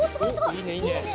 いいねいいね。